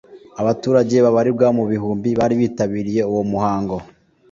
Abaturage babarirwa mu bihumbi bari bitabiriye uwo muhango